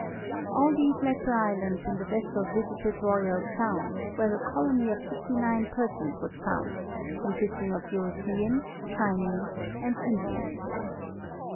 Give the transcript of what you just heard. At these latter islands the vessel visited Royal sound, where a colony of 59 persons was found, consisting of Europeans, Chinese and Indians.